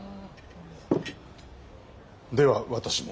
では私も。